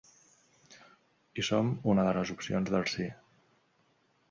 I som una de les opcions del sí.